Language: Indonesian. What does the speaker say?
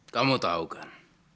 kamu tahu kan